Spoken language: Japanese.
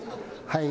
はい。